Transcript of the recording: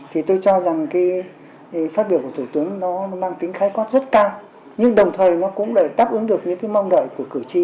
thì tôi cho rằng cái phát biểu của thủ tướng nó mang tính khái quát rất cao nhưng đồng thời nó cũng lại đáp ứng được những cái mong đợi của cử tri